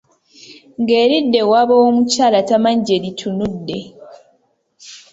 Ng’eridda ewaabwe w’omukyala tamanyi gye litunudde !